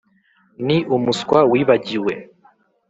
ni umuswa wibagiwe.